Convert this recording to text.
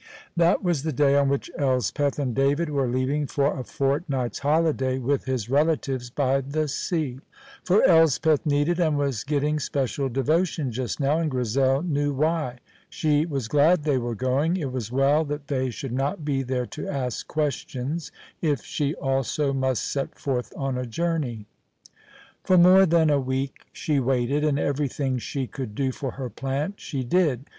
That was the day on which Elspeth and David were leaving for a fortnight's holiday with his relatives by the sea; for Elspeth needed and was getting special devotion just now, and Grizel knew why. She was glad they were going; it was well that they should not be there to ask questions if she also must set forth on a journey. For more than a week she waited, and everything she could do for her plant she did.